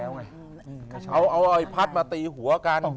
เอาไพร์ทมาตีหัวกัน